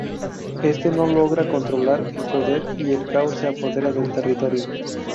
Éste no logra controlar el poder y el caos se apodera del territorio.